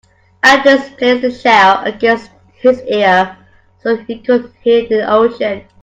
Andreas placed the shell against his ear so he could hear the ocean.